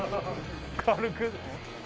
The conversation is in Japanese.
軽く。